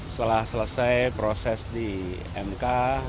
setelah selesai proses di mk